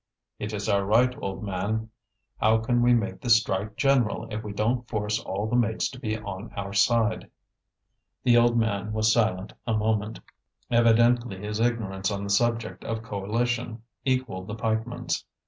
"It is our right, old man. How can we make the strike general if we don't force all the mates to be on our side?" The old man was silent a moment. Evidently his ignorance on the subject of coalition equalled the pikeman's.